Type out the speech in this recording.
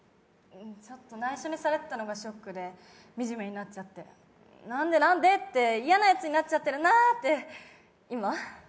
ちょっと、ないしょにされてたのがショックで、みじめになっちゃって、なんで、なんで？って嫌なやつになっちゃってるなって。